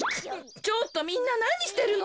ちょっとみんななにしてるの？